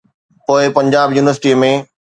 پوءِ پنجاب يونيورسٽي ۾.